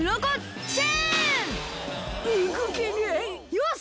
よし！